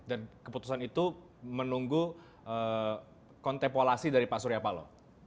dan keputusan itu menunggu kontepolasi dari pak suryapalo